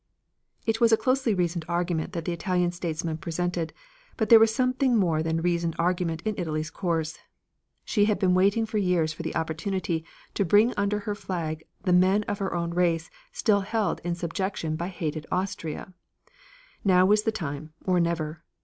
It was a closely reasoned argument that the Italian statesmen presented, but there was something more than reasoned argument in Italy's course. She had been waiting for years for the opportunity to bring under her flag the men of her own race still held in subjection by hated Austria. Now was the time or never.